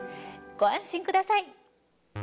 ご安心ください。